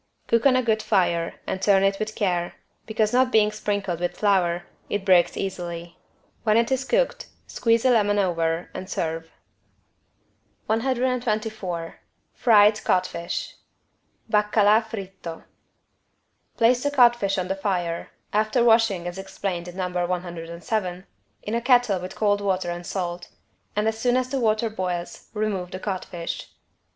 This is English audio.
Cook on a good fire and turn it with care, because, not being sprinkled with flour, it breaks easily. When it is cooked, squeeze a lemon over and serve. 124 FRIED CODFISH (Baccalá fritto) Place the codfish on the fire after washing as explained in No. 107 in a kettle with cold water and as salt, and as soon as the water boils, remove the codfish.